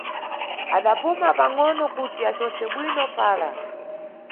Adapuma pangʼono kuti acose bwino fala.